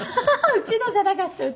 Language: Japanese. うちのじゃなかった。